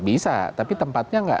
bisa tapi tempatnya nggak